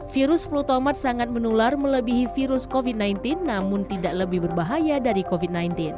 virus flutomer sangat menular melebihi virus covid sembilan belas namun tidak lebih berbahaya dari covid sembilan belas